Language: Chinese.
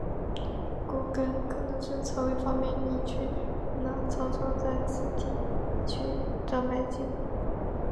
故更可能是曹魏方面隐去了曹操在此地区战败的记录。